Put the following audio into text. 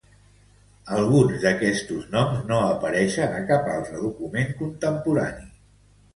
Alguns d'estos noms no apareixen a cap altre document contemporani.